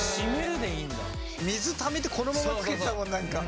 水ためてこのままつけてたもん、何か。